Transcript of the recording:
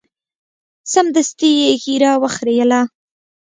سمدستي یې ږیره وخریله.